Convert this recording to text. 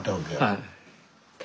はい。